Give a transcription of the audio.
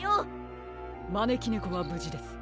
まねきねこはぶじです。